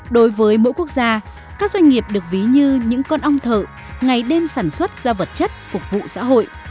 đối với mỗi quốc gia các doanh nghiệp được ví như những con ong thợ ngày đêm sản xuất ra vật chất phục vụ xã hội